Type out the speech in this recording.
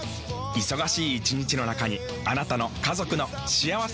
忙しい一日の中にあなたの家族の幸せな時間をつくります。